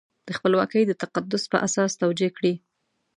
د خپلواکۍ د تقدس په اساس توجیه کړي.